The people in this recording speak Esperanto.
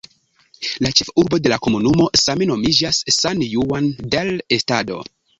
La ĉefurbo de la komunumo same nomiĝas "San Juan del Estado".